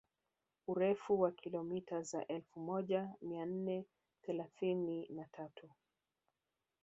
Urefu wa kilomita za elfu moja mia nne thelathini na tatu